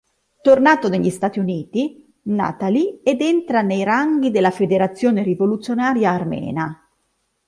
Tornato negli Stati Uniti, Natalie ed entra nei ranghi della Federazione Rivoluzionaria Armena.